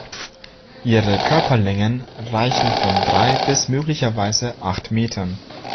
Ihre Körperlängen reichen von drei bis möglicherweise acht Metern.